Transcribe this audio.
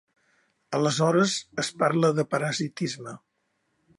Aleshores es parla de parasitisme.